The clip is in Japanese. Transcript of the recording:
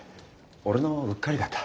俺のうっかりだった。